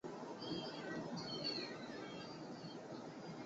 熊本县立大学